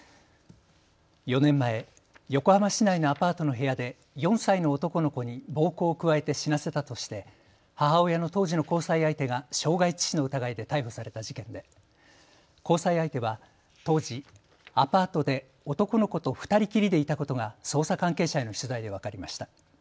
４年前、横浜市内のアパートの部屋で４歳の男の子に暴行を加えて死なせたとして母親の当時の交際相手が傷害致死の疑いで逮捕された事件で交際相手は当時、アパートで男の子と２人きりでいたことが捜査関係者への取材で分かりました。